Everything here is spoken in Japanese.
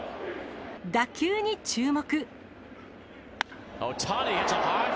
打球に注目。